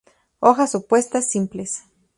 Hojas opuestas, simples.